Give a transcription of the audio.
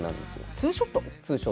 ツーショット。